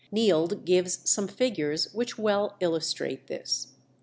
Neild gives some figures which well illustrate this.